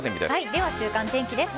では、週間天気です。